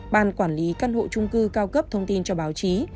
ban quản lý căn hộ trung cư cao cấp thông tin cho báo chí